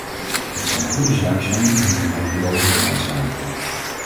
Het zou een goede zaak zijn indien wij hierover beraadslaagden.